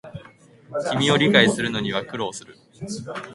君を理解するのには苦労する